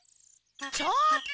ちょっと！